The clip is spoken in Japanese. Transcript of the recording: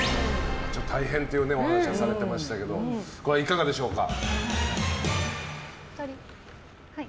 大変というお話をされていましたけどこれはいかがでしょうか。